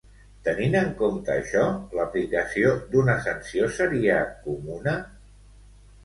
Tenint en compte això, l'aplicació d'una sanció seria comuna?